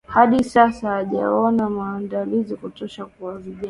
Hadi sasa hawajaona maandalizi ya kutosha kwa vinaja